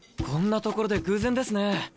こんな所で偶然ですね。